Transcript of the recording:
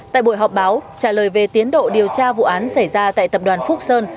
tại buổi họp báo trả lời về tiến độ điều tra vụ án xảy ra tại tập đoàn phúc sơn